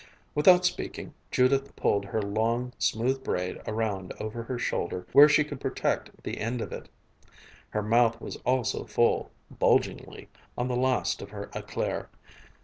Without speaking, Judith pulled her long, smooth braid around over her shoulder where she could protect the end of it. Her mouth was also full, bulgingly, of the last of her éclair.